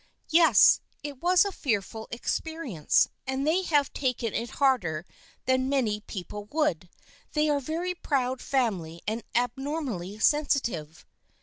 " Yes, it was a fearful experience, and they have taken it harder than many people would. They are a very proud family and abnormally sensi tive."